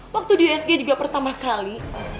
waktu di usg juga pertama kali